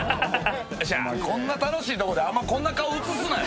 こんな楽しいところであんまこういう顔写すなよ！